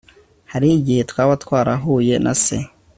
hari igihe twaba twarahuye se